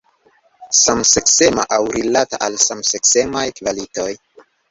Samseksema aŭ rilata al samseksemaj kvalitoj.